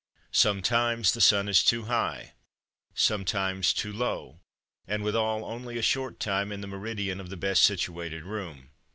Sometimes the sun is too high, sometimes too low, and withal only a short time in the meridian of the best situated room.